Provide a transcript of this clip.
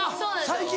最近？